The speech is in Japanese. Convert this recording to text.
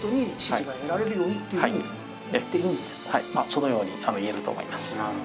そのように言えると思います。